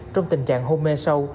trong tình trạng hôn mê sâu